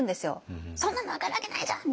「そんなの分かるわけないじゃん！」